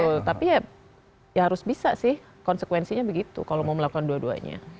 betul tapi ya harus bisa sih konsekuensinya begitu kalau mau melakukan dua duanya